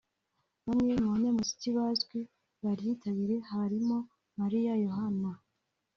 Bamwe mu banyamuziki bazwi baryitabiriye harimo Mariya Yohana